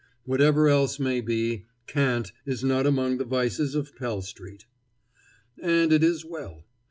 Whatever else may be, cant is not among the vices of Pell street. And it is well.